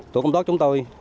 tổ công tốt chúng tôi